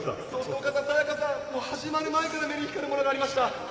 お母さんの清香さん、始まる前から目に光るものがありました。